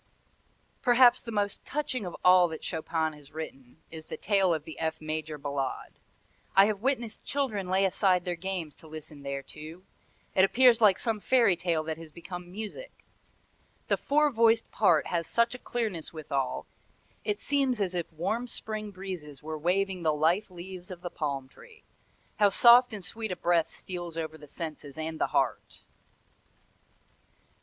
"Perhaps the most touching of all that Chopin has written is the tale of the F major Ballade. I have witnessed children lay aside their games to listen thereto. It appears like some fairy tale that has become music. The four voiced part has such a clearness withal, it seems as if warm spring breezes were waving the lithe leaves of the palm tree. How soft and sweet a breath steals over the senses and the heart!"